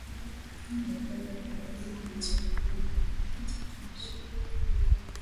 Guevara alipewa jina la che huko Amerika ya Kati likimaanisha